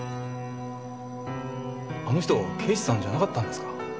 あの人刑事さんじゃなかったんですか？